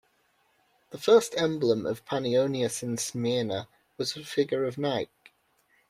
The first emblem of Panionios in Smyrna was a figure of Nike.